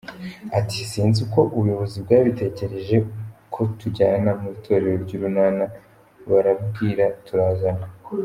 Ati “Sinzi uko ubuyobozi bwabitekereje ko tujyana mu itorero ry’Urunana barambwira turazana.